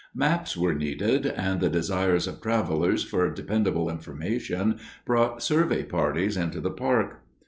Maps were needed, and the desires of travelers for dependable information brought survey parties into the park.